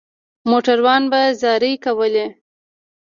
موټروان به زارۍ کولې.